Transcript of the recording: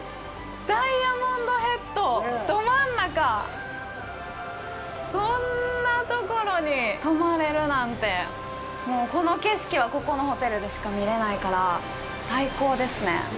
すごい！こんな所に泊まれるなんてもうこの景色はここのホテルでしか見れないから最高ですね